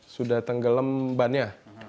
sudah tenggelam bannya